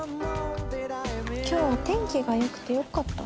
今日お天気がよくてよかった。